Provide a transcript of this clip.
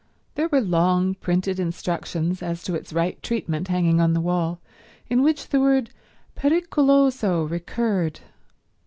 There were long printed instructions as to its right treatment hanging on the wall, in which the word pericoloso recurred.